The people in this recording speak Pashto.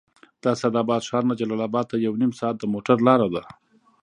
د اسداباد ښار نه جلال اباد ته یو نیم ساعت د موټر لاره ده